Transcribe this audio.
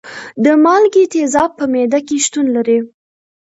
د مالګې تیزاب په معده کې شتون لري.